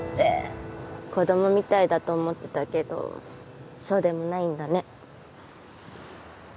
子供みたいだと思ってたけどそうでもないんだね。